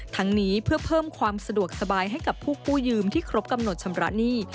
ทั้งนี้เพื่อเพิ่มความสะดวกสบายให้กับผู้กู้ยืมที่ครบกำหนดชำระหนี้